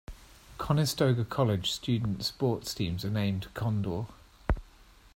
Conestoga College student sports teams are named 'Condor'.